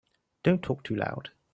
Don't talk too loud.